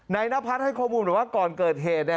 นายน้าพัดให้ข้อมูลว่าก่อนเกิดเหตุเนี่ย